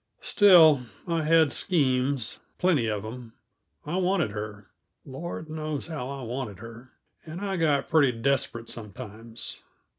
Still, I had schemes, plenty of them. I wanted her Lord knows how I wanted her! and I got pretty desperate, sometimes.